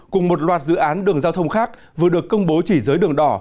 cùng một loạt dự án đường giao thông khác vừa được công bố chỉ dưới đường đỏ